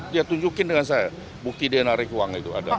dia tunjukin dengan saya bukti dia narik uang itu ada